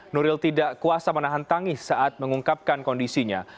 nuril tidak kuasa menahan tangis saat mengungkapkan kondisinya